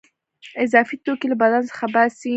اضافي توکي له بدن څخه باسي.